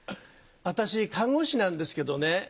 私看護師なんですけどね